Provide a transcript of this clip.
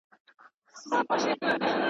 نه گناه کوم، نه توبه کاږم.